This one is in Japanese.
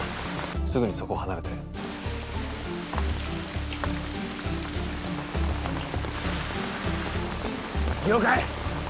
すぐにそこを離れて了解